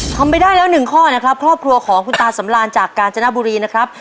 ทำไปได้แล้วหนึ่งข้อนะครับครอบครัวของคุณตาสำราญจากกาญจนบุรีนะครับ